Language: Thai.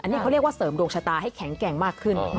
อันนี้เขาเรียกว่าเสริมดวงชะตาให้แข็งแกร่งมากขึ้น